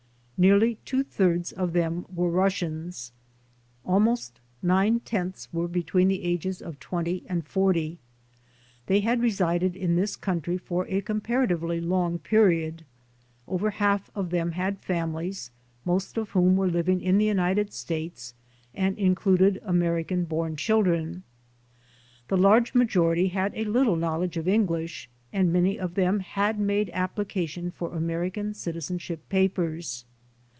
Nearly two thirds of them were Russians. Almost nine tenths were between the ages of 20 and 40. They had resided in this country for a comparatively long period. Over half of them had families, most of whom were living in the United States and included American bom children. The large majority had a little knowledge of English, and many of them had made application for American citizenship papers.